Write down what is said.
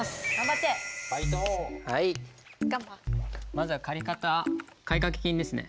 まずは借方買掛金ですね。